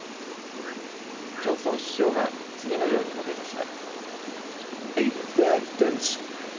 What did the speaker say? ジョンソン首相は次のように述べました。